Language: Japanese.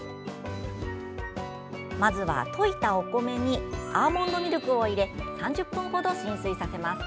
まずは、といだお米にアーモンドミルクを入れ３０分程、浸水させます。